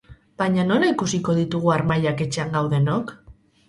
Baina nola ikusiko ditugu harmailak etxean gaudenok?